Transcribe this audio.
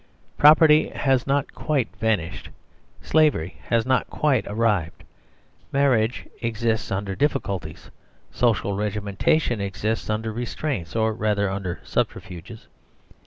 Property has not quite vanished; slavery has not quite arrived; marriage exists under difficulties; social regimentation exists under restraints, or rather under subterfuges.